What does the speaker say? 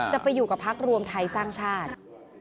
จะไปอยู่กับพักรวมไทยสร้างชาติ